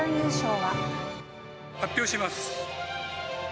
発表します。